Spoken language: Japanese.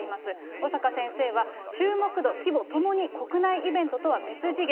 小坂先生は、注目度、規模、ともに国内イベントは別次元。